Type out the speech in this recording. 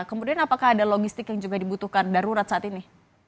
kemudian apakah ada logistik yang juga dibutuhkan darurat saat ini